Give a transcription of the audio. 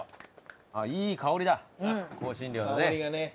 あっいい香りだ香辛料のね。